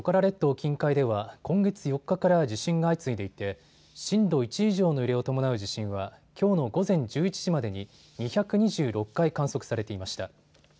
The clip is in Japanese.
近海では今月４日から地震が相次いでいて震度１以上の揺れを伴う地震はきょうの午前１１時までに２２６回観測されていました。